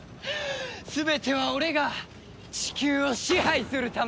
全ては俺がチキューを支配するためさ！